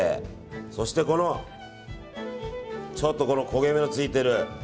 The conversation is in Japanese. そして、このちょっと焦げ目のついている。